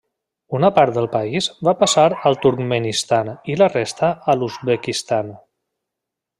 Una part del país va passar al Turkmenistan i la resta a l'Uzbekistan.